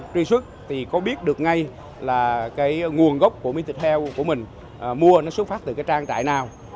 truy xuất thì có biết được ngay là nguồn gốc của miếng thịt heo của mình mua xuất phát từ trang trại này